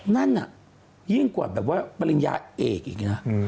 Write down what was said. นั่นน่ะยิ่งกว่าแบบว่าปริญญาเอกอีกนะ